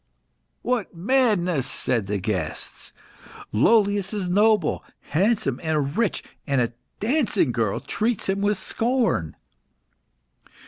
"What madness!" said the guests. "Lollius is noble, handsome, and rich, and a dancing girl treats him with scorn!"